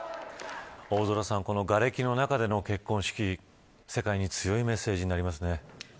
大空さんがれきの中での結婚式世界に強いメッセージになりますね。